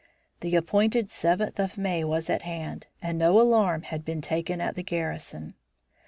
The appointed seventh of May was at hand and no alarm had been taken at the garrison.